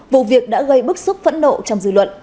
vụ việc đã gây bức xúc phẫn nộ trong dư luận